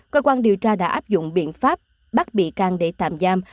cơ quan điều tra đã áp dụng biện pháp bắt bị can để tạm giam